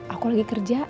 aku lagi kerja